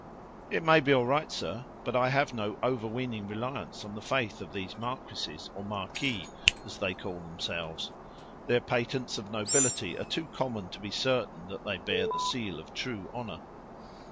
"It may be all right, sir, but I have no overweening reliance on the faith of these marquesses, or marquis, as they call themselves. Their patents of nobility are too common to be certain that they bear the seal of true honor."